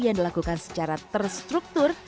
yang dilakukan secara terstruktur